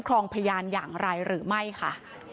ครองพยานอย่างไรหรือไม่ค่ะ